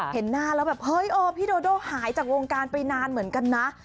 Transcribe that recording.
เห็นหน้าแล้วแบบเฮ้ยพี่โดโดหายจากวงการไปนานเหมือนกันนะ